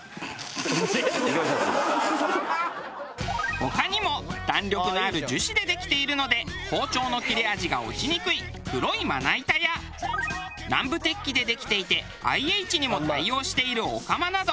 他にも弾力のある樹脂でできているので包丁の切れ味が落ちにくい黒いまな板や南部鉄器でできていてＩＨにも対応しているお釜など。